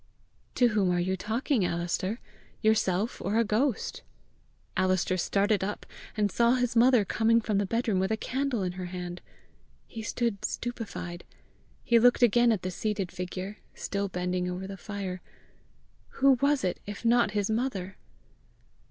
"To whom are you talking, Alister? yourself or a ghost?" Alister started up, and saw his mother coming from the bedroom with a candle in her hand! He stood stupefied. He looked again at the seated figure, still bending over the fire. Who was it if not his mother?